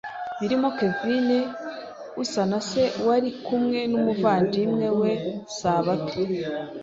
barimo Kevine Usanase wari kumwe n’umuvandimwe we Sabato